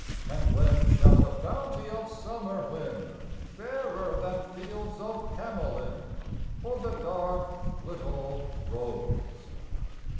And when shall the bounty of summer win Fairer than fields of Camolin For the dark little Rose?